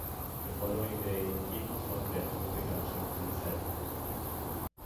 The following day he was found dead with a gunshot to his head.